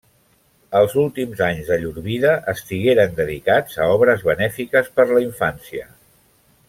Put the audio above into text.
Els últims anys de llur vida estigueren dedicats a obres benèfiques per la infància.